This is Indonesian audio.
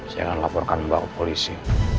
saya akan laporkan mbak ke polisi